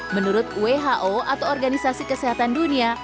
menurut who atau organisasi kesehatan dunia